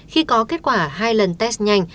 khi có kết quả hai lần test nhanh